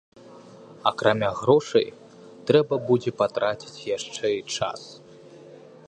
Акрамя грошай, трэба будзе патраціць яшчэ і час.